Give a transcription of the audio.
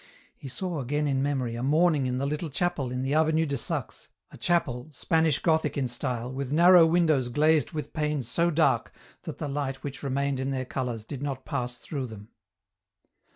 He saw again in memory a morning in the little chapel in the Avenue de Saxe, a chapel, Spanish Gothic in style, with narrow windows glazed with panes so dark that the light which remained in their colours did not pass through them.